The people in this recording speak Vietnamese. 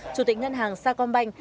chủ tịch ngân hàng sa con banh